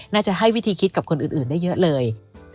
น่าจะให้วิธีคิดกับคนอื่นได้เยอะเลย